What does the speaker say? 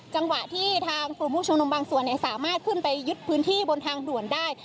จังหวะที่ทางกลุ่มผู้ชมนุมบางส่วนสามารถขึ้นไปยึดพื้นที่บนทางด่วนได้